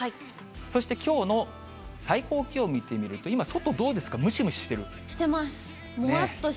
そして、きょうの最高気温見てみると、今、外、どうですか、ムシムシししてます。